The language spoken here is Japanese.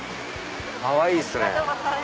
かわいいっすね。